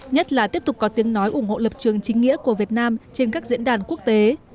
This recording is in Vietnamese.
nhất là tiếp tục có tiếng nói ủng hộ lập trường chính nghĩa của việt nam trên các diễn đàn quốc tế